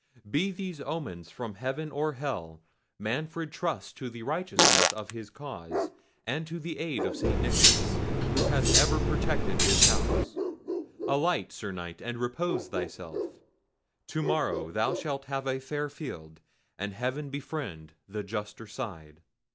Be these omens from heaven or hell, Manfred trusts to the righteousness of his cause and to the aid of St. Nicholas, who has ever protected his house. Alight, Sir Knight, and repose thyself. To morrow thou shalt have a fair field, and heaven befriend the juster side!"